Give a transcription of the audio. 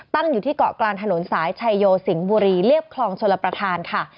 อยู่ที่เกาะกลางถนนสายชายโยสิงห์บุรีเรียบคลองชลประธานค่ะ